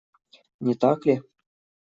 Не так ли?